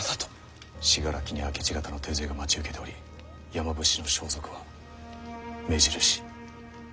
信楽に明智方の手勢が待ち受けており山伏の装束は目印。